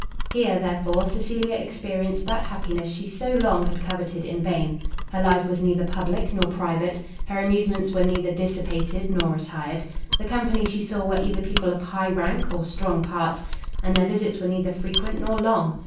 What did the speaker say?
Here, therefore, Cecilia experienced that happiness she so long had coveted in vain: her life was neither public nor private, her amusements were neither dissipated nor retired; the company she saw were either people of high rank or strong parts, and their visits were neither frequent nor long.